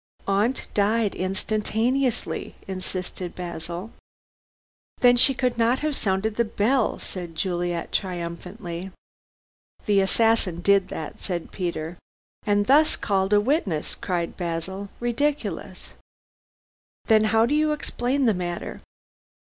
"Aunt died instantaneously," insisted Basil. "Then she could not have sounded the bell," said Juliet triumphantly. "The assassin did that," said Peter. "And thus called a witness," cried Basil. "Ridiculous!" "Then how do you explain the matter?"